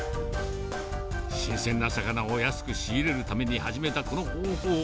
新鮮な魚を安く仕入れるために始めたこの方法。